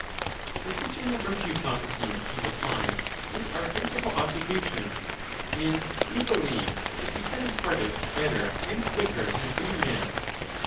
The teaching of virtue, Socrates, he replied, is our principal occupation ; and we believe that we can im part it better and quicker than any man.